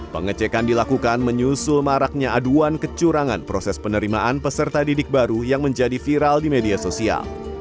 pengecekan dilakukan menyusul maraknya aduan kecurangan proses penerimaan peserta didik baru yang menjadi viral di media sosial